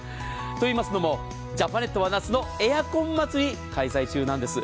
と言いますのもジャパネットは夏のエアコン祭り開催中なんです。